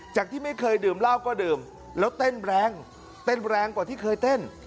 ที่ไม่เคยดื่มเหล้าก็ดื่มแล้วเต้นแรงเต้นแรงกว่าที่เคยเต้น